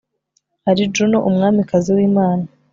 Ari Juno Umwamikazi w imana